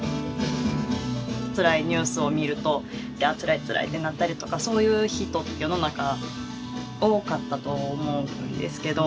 つらいニュースを見るとあつらいつらいってなったりとかそういう人世の中多かったと思うんですけど。